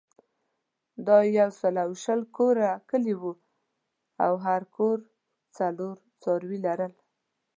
دا یو سل او شل کوره کلی وو او هر کور څلور څاروي لرل.